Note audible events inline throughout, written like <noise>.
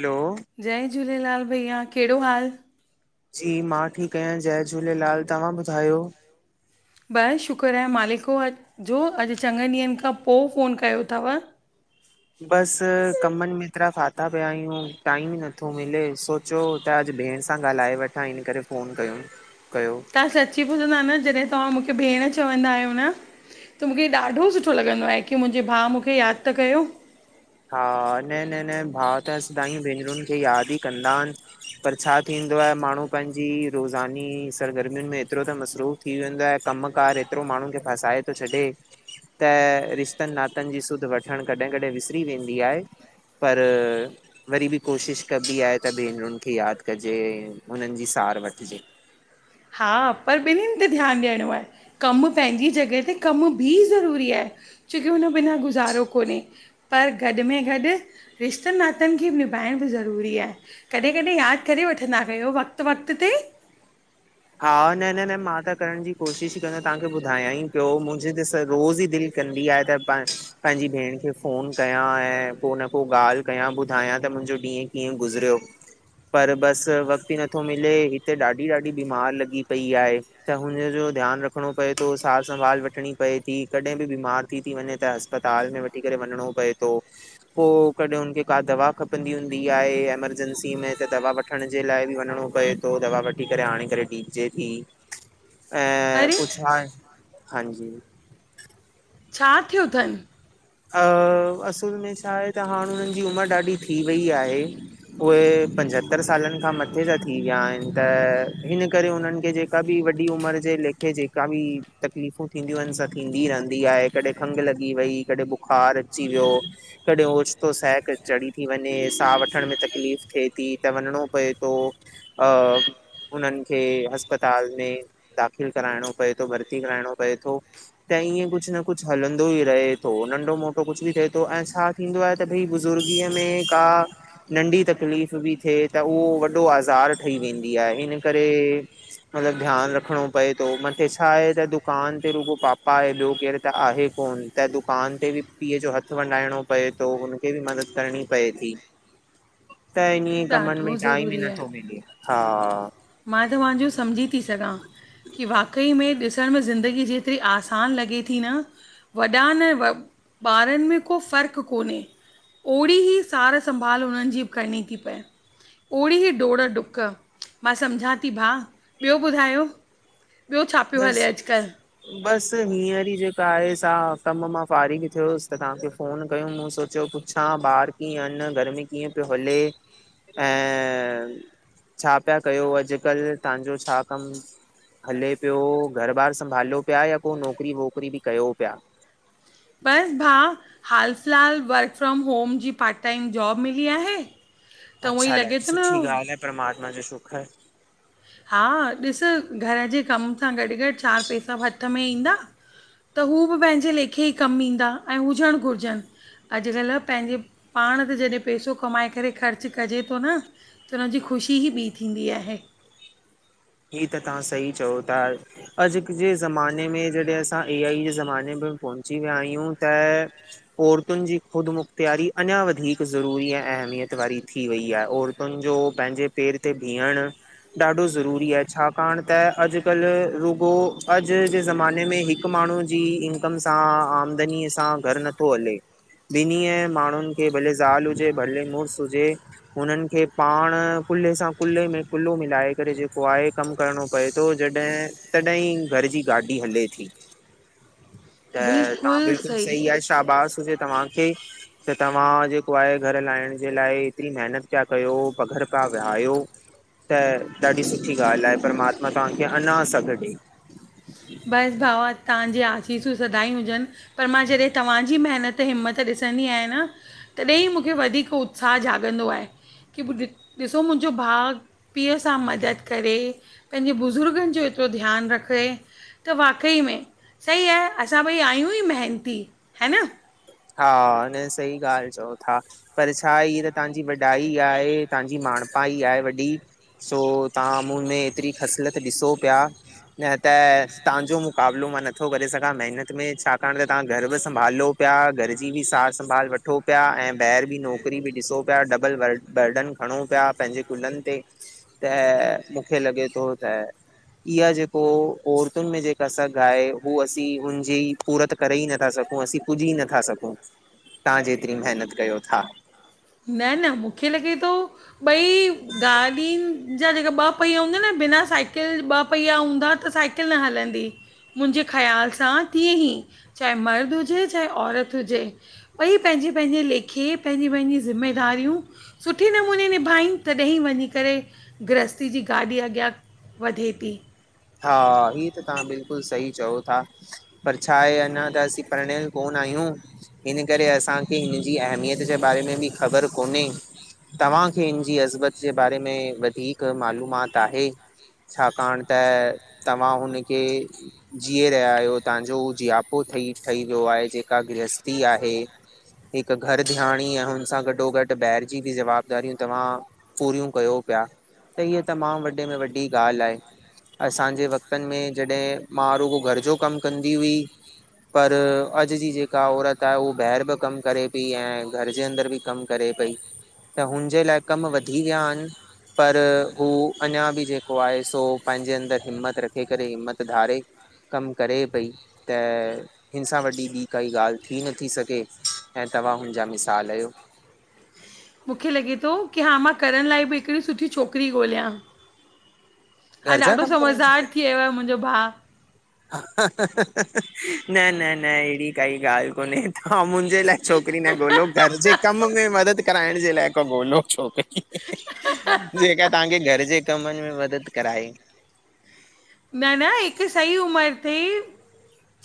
हलो जय झूलेलाल भईया, कहिड़ो हाल जी मां ठीकु आहियां, जय झूलेलाल तव्हां ॿुधायो? बस शुक्र आहे मालिको जो, अॼु चङनि ॾींहंनि खां पोइ फ़ोन कयो तव बस कमनि में इतिरा फा फाथा पया आहियूं, टाइम ई नथो मिले, सोचो त अॼु भेण सां ॻाल्हाए वठां, इन करे फ़ोन कयो <inaudible> तव्हां सची पुछंदा न, जॾहिं तव्हां मूंखे भेण चवंदा आहियो न त मूंखे ॾाढो सुठो लॻंदो आहे, की मुंहिंजे भाउ मूंखे यादि त कयो हा, न न न भाउ त सदाईं भेनरुनि खे यादि ई कंदा आहिनि पर छा थींदो आहे, माण्हू पंहिंजी रोज़ानी सरगर्मियुनि में एतिरो त मसरूफ़ थी वेंदो आहे कम कार एतिरो माण्हुनि खे फसाए थो छॾे, त रिश्तनि नातनि जी सुध वठणु कॾहिं कॾहिं विस री वेंदी आहे पर वरी बि कोशिश कबी आहे, त भेनरुनि खे यादि कजे उननि जी तार वठिजे हा पर ॿिन्हनि ते ध्यानु ॾियणो आहे, कमु पंहिंजी जॻहि ते कमु बि ज़रूरी आहे छोकि उन बिना गुज़ारो कोन्हे, पर गॾ में गॾु रिश्तनि नातनि खे बि निभ ॻाइण बि ज़रूरी आहे, कॾहिं कॾहिं यादि करे वठंदा कयो वक़्त वक़्त ते <inaudible> हा, न न न मां त करण जी कोशिशि ई कंदो तव्हांखे ॿुधायां ई पियो मुंहिंजे त रोज़ ई दिल कंदी आहे त पंहिंजी भेण खे फोन कयां ऐं को न को ॻाल्हि कयां ॿुधाय त मूंझो ॾींहं कीअं गुज़रियो पर बस वक़्तु ई नथो मिले हिते ॾाढी ॾाढी बीमार लॻी पई आहे, त हुनजो ध्यानु रखणो पए थो, सार संभाल वठणी पए थी कॾहिं बीमार थी ती वञे, त अस्पताल में वठी करे वञड़ो पए तो, पो कॾहिं उनखे का दवा खपंदी हूंदी आहे एमरजेंंसी में, त दवा वठण जे लाइ बि वञिणो पए थो, दवा वठी करे हाणे पर <unintelligible> थी, ऐं अरे पुंछा हाजी छा थियो थनि? अ, असुल में छा आहे त हाणे हुननि जी उमिरि ॾाढी थी वई आहे उहे पंजहतरि सालनि खां मथे सां थी विया आहिनि, त हिन करे उन्हनि खे जेका बि वॾी उम्र जे लेखे जेका बि तकलीफ़ू थींदियूं आहिनि थींदी रहंदी आहे, कॾहिं खंग लॻी ॿी कॾहिं ॿियो बुखार अची वियो, कॾहिं ओचितो सहक चढ़ी थी वञे, साहु वठण में तकलीफ़ थिए थ त वञणो पए तो, अ उन्हनि खे अस्पताल में दाख़िल कराइणो पए थो, भर्ती कराइणो पए थो, त त ईअं कुझु न कुझु हलंदो ई रहे थो। नंढो मोटो कुझु बि थिए थो, ऐं छा थींदो आहे त भई बुज़ुर्गीअ में का नढी तकलीफ़ वॾी थिए त उहो वॾो आज़ार ठही वेंदी आहे इन करे मतलबु ध्यानु रखणो पए मथे छा आहे दुकान ते रुॻो पापा आहे ॿियो केरु त आहे कोन त दु पाण ते बि पीअ जो हथ वंडाइणो पए थो हुनखे बि मदद करणी पए थी। त इनीअ कमन में ॾाढो टाइम बि ज़रूरी नथो मिले। त मां त्वां समझी ती सॻा की वाकई में ॾिस ॾिस्ण में ज़िंदगी जेतिरी आसानु लॻे थी न वॾा न व ॿारनि में को फ़र्क़ु कोन्हे। ओड़ी ई सार संभाल उन्हनि जी करणी थी पए ओहिड़ी ही डोड़ डुक मां सम्झा थी भा, ॿियो ॿुधायो ॿियो छा पियो हले अॼुकल्ह। त हींअर ई जेका आहे सा कम मां फारिख थियो वस त तव्हांखे फ़ोन कय मूं सोचियो पुछां ॿार कीअं अन गर्मी कीअं पियो हले ऐं छा पिया कयो अॼुकल्ह तव्हांजो छा कमु हले ॿियो घर बार संभालियो पिया या को नौकिरी वोकिरी बि कयो पिया? बस भाउ हालु फ़िलहालु वर्क फ्रॉम होम जी पार्ट टाइम जॉब मिली आहे। त उहो ई अच्छा लॻे ॾाडी थो सुठी न ॻाल्हि आहे परमात्मा जो शखर हा ॾिस घर जे कम सां गॾु गॾु चारि पैसा हथ में ईंदा त हू बि पंहिंजे लेखे ई कमु ईंदा ऐं हुजण घुरिजनि। अॼुकल्ह पंहिंजे पाण त जॾहिं पैसो कमाए करे ख़र्चु कजे थो न त हुन जी ख़ुशी ही ॿी थींदी आहे। हीअ त तव्हां सही चओ था, अॼु जे ज़माने में जॾहिं असां ए आई जे ज़माने में में पोहुची विया आहियूं त औरतुनि जी ख़ुदि मुुख़्तयारी अञा वधीक ज़रूरी आहे। अहमियत वारी थी वई आहे औरतुनि जो पंहिंजे पेर ते बिहण ॾाढो ज़रूर इहा छाकाणि त अॼुकल्ह रुॻो अॼु जे ज़माने में हिकु माण्हू जी इ नकम आमदनीअ सां घरु नथो हले। ॿिन्ही माण्हुनि खे भले ज़ाल हुजे भले मुर्स हुजे हुननि खे पाण कुल्हे सां कुलहे में कुल्हो मिलाए करे जे पोइ आहे कमु करिणो पए थो जॾहिं तॾहिं घर जी गाॾी हले थी त तव्हां बिल्कुलु सही आहे, शाबश हुजे तव्हांखे त तव्हां जेको आहे घर हलाहिण जे लाइ एतिरी महिनत पिया कयो प घर का हा वया आहियो, त ॾाढी सुठ सुठी ॻाल्हि आहे परमात्मा तव्हांखे अञा सॻ ॾए। बस भावा तव्हां इहे आसीसूं सदाहीं हुजन पर मां जॾहिं तव्हांजी मेहनत हिम्मत ॾिंसदी आयां न तॾहिं त ई मूंखे वधीक उत्साह जाॻंदो आहे की भि ॾिसो मुंहिंजो भाउ पीउ सां मदद करे पंहिंजे बुज़ुर्गनि जो ॿियो ध्यानु रखये त वाक़ई में सही आहे, असां ॿई आहियूं ई मेहनती है न हा न सही ॻाल्हि चओ था, पर छा ई त तव्हांजी वॾाई आहे तव्हांजी माणता <unintelligible> सो तव्हां मूं में एतरी ख़सलत ॾिसो पिया न त तव्हांजो मुक़ाबिलो मां नथो करे सघां महिनत में, छाकाणि त तव्हां घर ब संभालो पिया घरजी बि सार संभाल वठो पिया ऐं ॿाहिरि बि नौकिरी बि ॾिसो पिया डबल व बर्डन खणो पिया तव्हां पंहिंजे कुलनि ते त मूंखे लॻे थो त इहा जेको औरतुनि में जेका सघ आहे हू असीं हुनजी पूरत करे ई नथा सघूं पो असीं पुॼी नथा सघूं, तव्हां जेतिरी महिनत कयो था न न, मूंखे लॻे थो ॿई गाॾियुनि जा जेका ॿ पैया हूंदा आहिन बिना साइकिल ॿ पैया हूंदा त साइकिल न हलंदी मुंहिंजे ख़्याल सां तीअं ई चाहे मर्द हुजे चाहे औरत हुजे ॿई पंहिंजे जे पंहिंजे लेखे पंहिंजी पंहिंजी ज़िमेदारियूं सुठे नमूने निभाइनि तॾहिं ई वञी करे गृहस्थी जी गाॾी अॻियां वधे थी। हा ही त तव्हां बिल्कुलु सही चओ था, पर छा आहे अञां त असीं प्रणयल कोन आहियूं हूं हिन करे असांखे, हिन जी अहमियत जे बारे में बि ख़बर कोन्हे तव्हांखे हिनजी अज़बत जे बारे में वधीक मालूमात आहे छाकाणि त तव्हां हुन खे जीए रहिया आहियो तव्हांजो उहो ज़ियापो ठही ठही वियो आहे आहे जेका गृहस्थी आहे हिकु घर धयााणी ऐं हुन सां गॾो गॾु ॿाहिरि जी बि जवाबदारियूं तव्हां पूरियूं कयो पिया। त हीअ तमामु वॾे में वॾी ॻाल्हि आहे असांजे वक़्तनि में जॾहिं मां रुगो घर जो कमु कंदी हुई पर अॼु जी जेका औरत आहे, उहा ॿाहिरि बि कमु करे पई ऐं घर जे अंदर बि कमु करे पई त हुनजे लाइ कम वधी विया आहिनि पर हू अञां बि जेको आहे सो पंहिंजे अंदर हिमथ रखे करे हिमथ धारे कम करे पई त हिन सां वॾी ॿी काई ॻाल्हि थी नथी सघे ऐं तव्हां हुनजा मिसाल आहियो। मूंखे लॻे थो की हा मां करण लाइ बि हिकिड़ी सुठी छोकिरी ॻोल्हियां हा, घर जा ॾाढो कमु करण जे लाइ समझदार थी वियो आहे मुंहिंजो भाउ न न न अहिड़ी काई ॻाल्हि कोन्हे तव्हां मुहिं जे लाइ छोकिरी न ॻोल्हयो घर जे कम में मदद कराइण जे लाइ को ॻोल्हयो हिक छोकरी जेका तव्हांखे घर जे कमनि में मदद कराए न न, हिक सही उम्र ते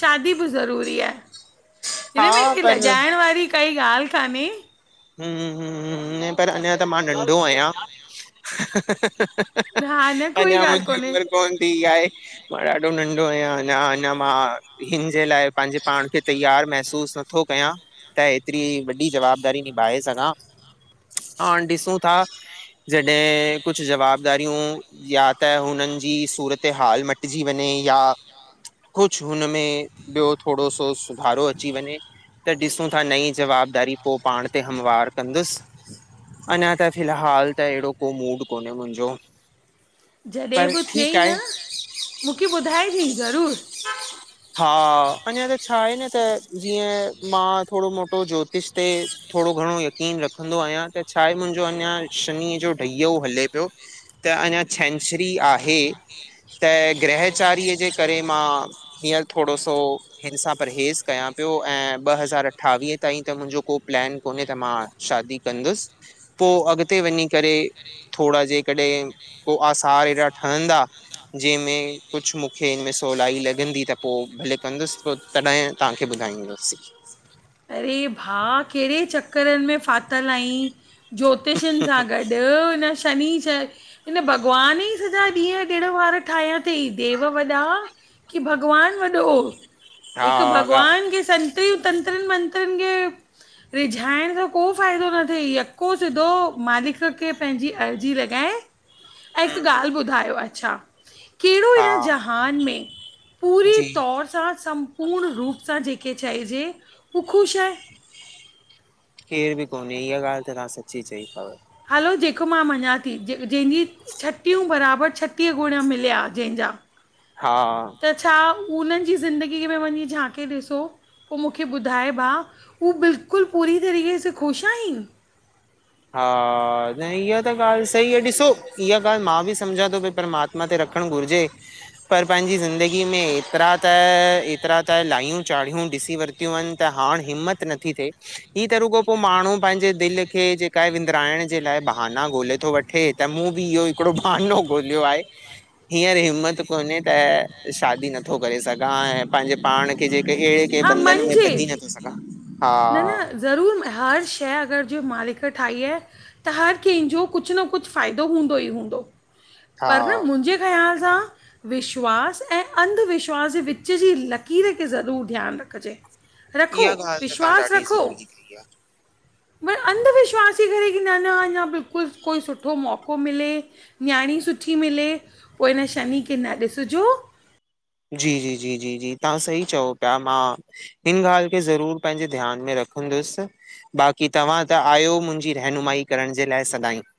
शादी बि ज़रूरी आहे हा हिन में अहिड़ी पर लॼाइण वारी काई ॻाल्हि कान्हे हम्म हम्म पर अञां त मां नंढो आहियां हा न कोई अञां ॻाल्हि मुंहिंजी कोन्हे उम्र कोन थी आहे मां ॾाढो नंढो आहियां अञां अञां मां हिन जे लाइ पंहिंजे पाण खे तैयार महसूस नथो कयां त हेतिरी वॾी जवाबदारी निभाए सघां हां, डिसूं था जॾहिं कुझ जवाबदारियूं या त हुननि जी सूरत हाल मटिजी वञे या कुझु हुनमें, ॿियो थोरो सो सुधारो अची वञे त ॾिसूं था नई जवाबदारी पोइ पाण ते हमवार कंदुसि अञां त फ़िलहाल त अहिड़ो को मूड कोन्हे मुंहिंजो जॾहिं पर बि ठीकु थियई न, आहे मूंखे ॿुधाइजे ज़रूरु हा, अञां त, छा आहे न त जीअं मां थोरो मोटो ज्योतिष ते थोड़ो घणो यकीन रखंदो आहियां, त छा आहे मुंहिंजो अञां शनि जो डहियो हले पियो त त अञां छंछरी आहे त ग्रहचारीअ जे करे मां हींअर थोरो सो हिन सां परहेज़ कयां पियो ऐं ॿ हज़ार अठावीह ताईं त मुंहिंजो को प्लैन <unintelligible> त मां शादी कंदुसि, पोइ अॻिते वञी करे थोड़ा जेकॾहिं को आसार हेॾा ठहंदा जंहिंमें कुझु मूंखे हिनमें सवलाई लॻंदी त पोइ भले कंदुसि पोइ तॾहिं तव्हांखे ॻाईंदासीं अरे भा, कहिड़े चकरनि में फ़ाथल आहीं ज्योतिषनि सां गॾु हुन शनि त हिन भॻवान ई सॼा ॾींहं ॾीणवार ठाहिया थईं देव वॾा की भॻवानु वॾो, हा हिकु ॻा भॻवान खे संतर तंत्रनि मं <unintelligible> रिझाइण को फ़ाइदो न थिए यको सिधो मालिक खे पंहिंजी अर्ज़ी लॻाए ऐं हिकु ॻाल्हि ॿुधायो, अच्छा कहिड़ो हा हिन जहान में पूरे जी तौर सां सम पूर्ण रूप सां जंहिंके चइजे हू ख़ुशि आहे केर बि कोन्हे, इहा ॻाल्हि त तव्हां सची चई तव हलो जेको मां मञां थी ज जंहिंजी छटिययूं बराबरि छटीह गुण मिलिया जंहिंजा <unintelligible> हा त छा, उन्हनि जी ज़िंदगीअ में वञी झांके ॾिसो पोइ मूंखे ॿुधाइ भा, हूअ बिल्कुलु पूरी तरीक़े सां ख़ुशि आहिनि? हा, न इहा त ॻाल्हि सही आहे, ॾिसो इहा ॻाल्हि मां बि समझा थो पई परमात्मा ते रख घुरजे पर पंहिंजी ज़िंदगी में एतिरा त एतिरा त लायूं चाढ़ियूं ॾिसी वरतियूं आहिन, ता हाण हिमथ न ती थे, ही त रुॻो पोइ माण्हू पंहिंजे दिल खे क विंदराइण जे लाइ बहाना ॻोल्हे थो वठे त मूं बि इहो हिकिड़ो बहानो ॻोल्हियो आहे हींअर हिमथ कोन्हे त, शादी नथो करे सघां ऐं पंहिंजे पाण खे जेक हा मिञजे, हा न न ज़रूर हर शइ अगर जे मालिक ठाही आहे त हर कंहिंजो कुझु न कुझु फ़ाइदो हूंदो ई हूंदो हा पर न मुंहिंजे ख़्याल सां विश्वास ऐं अंधविश्वास जे विच जी लकीर खे ज़रूर ध्यानु रखिजे, रखो इहा ॻाल्हि त तव्हां विश्वास ॾाढी रखो ज़रूरी कई आहे पर अंधविश्वास जे करे की न-न अञां बिल्कुलु कोई सुठो मौक़ो मिले न्याणी सुठी मिले पोइ इन शनि खे न ॾिसिजो <inaudible> जी जी जी जी जी तव्हां सही चओ पिया, मां हिन ॻाल्हि खे ज़रूर पंहिंजे ध्यान में रखंद सि बाक़ी तव्हां त आयो मुंहिंजी रहनुमाई करण जे लाइ सदांई। <inaudible>